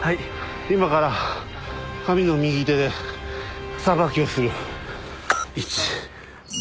今から神の右手で裁きをする。